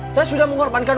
saya sudah mengorbankan